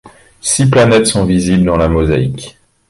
Six planètes sont visibles dans la mosaïque.